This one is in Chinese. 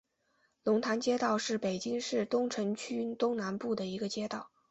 龙潭街道是北京市东城区东南部的一个街道。